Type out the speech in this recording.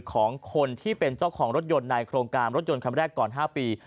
ของคนที่เป็นเจ้าของรถยนต์ในโครงการรถยนต์คันแรกก่อน๕ปี